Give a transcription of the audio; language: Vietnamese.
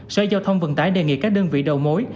sở giao thông vận tải đề nghị các đơn vị đầu mối